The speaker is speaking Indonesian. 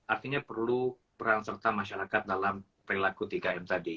artinya perlu peran serta masyarakat dalam perilaku tiga m tadi